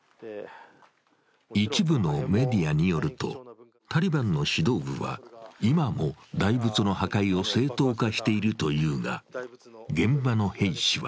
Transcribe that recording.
一部のメディアによると、タリバンの指導部は今も大仏の破壊を正当化しているというが、現場の兵士は